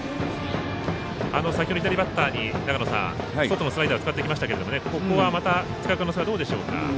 先ほど左バッターに外のスライダーを使ってきましたけどここは、また使いこなしはどうでしょうか。